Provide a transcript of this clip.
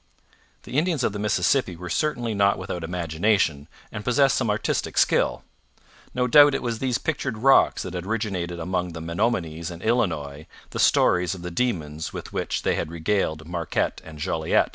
The Indians of the Mississippi were certainly not without imagination and possessed some artistic skill. No doubt it was these pictured rocks that had originated among the Menominees and Illinois the stories of the demons with which they had regaled Marquette and Jolliet.